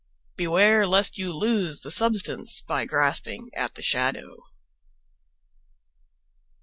"BEWARE LEST YOU LOSE THE SUBSTANCE BY GRASPING AT THE SHADOW."